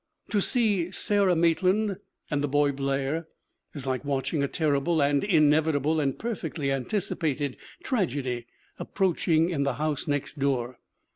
To see Sarah Maitland and the boy Blair is like watching a terrible and inevitable and perfectly anticipated tragedy approaching in the house next door.